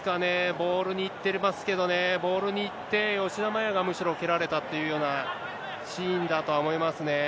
ボールにいってますけどね、ボールに行って、吉田麻也がむしろ、蹴られたというようなシーンだとは思いますね。